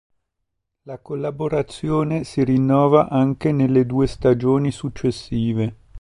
La collaborazione si rinnova anche nelle due stagioni successive.